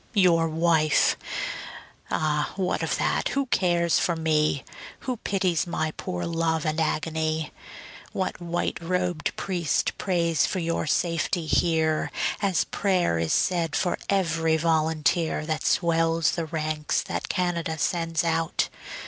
Your wife? Ah, what of that, who cares for me? Who pities my poor love and agony? What white robed priest prays for your safety here, As prayer is said for every volunteer That swells the ranks that Canada sends out?